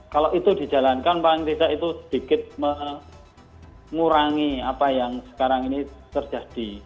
kalau itu dijalankan paling tidak itu sedikit mengurangi apa yang sekarang ini terjadi